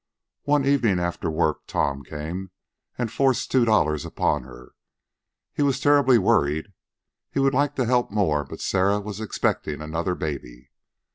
One evening after work, Tom came, and forced two dollars upon her. He was terribly worried. He would like to help more, but Sarah was expecting another baby.